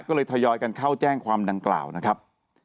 ก็เลยทยอยกันเข้าแจ้งความดังกล่าวนะครับ